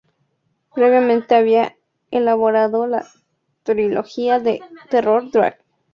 Previamente había elaborado la trilogía de "Terror Drag".